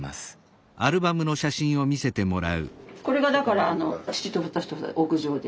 これがだから父と私と屋上で。